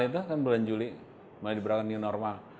itu kan bulan juli mulai diberakan new normal